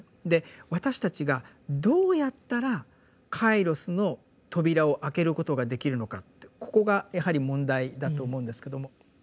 で私たちがどうやったら「カイロス」の扉を開けることができるのかってここがやはり問題だと思うんですけども。